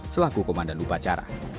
selaku pemandan upacara